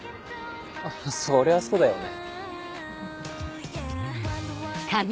そりゃそうだよね。